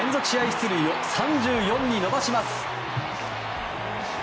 出塁を３４に伸ばします。